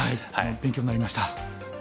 勉強になりました。